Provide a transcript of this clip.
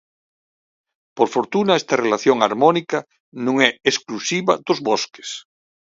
Por fortuna esta relación harmónica non é exclusiva dos bosques.